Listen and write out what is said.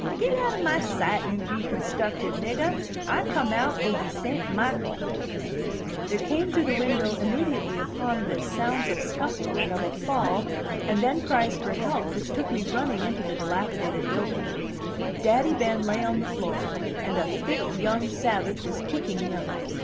Get out ob my sight, you reconstuckted niggah. I come out oh de St. Michael." There came through the window immediately upon this sounds of scuffling and of a fall, and then cries for help which took me running into the dilapidated building. Daddy Ben lay on the floor, and a thick, young savage was kicking him.